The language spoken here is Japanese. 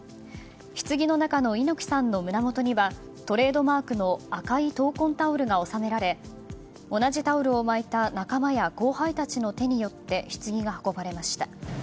ひつぎの中の猪木さんの胸元にはトレードマークの赤い闘魂タオルが収められ同じタオルを巻いた仲間や後輩たちの手によってひつぎが運ばれました。